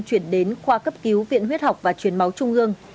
chuyển đến khoa cấp cứu viện huyết học và truyền máu trung ương